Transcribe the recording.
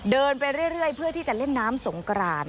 เดินไปเรื่อยเพื่อที่จะเล่นน้ำสงกราน